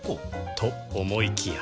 と思いきや